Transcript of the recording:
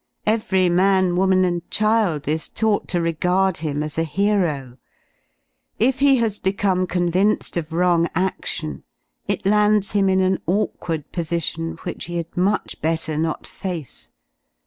Every man, woman, and child is taught to regard him as a hero; if he has become convinced of wrong adion it lands him in an awkward position which he had much better not face.